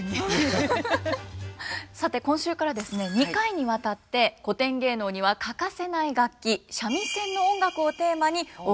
さて今週からですね２回にわたって古典芸能には欠かせない楽器三味線の音楽をテーマにお送りいたします。